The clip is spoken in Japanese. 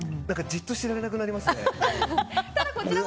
じっとしてられなくなりますね。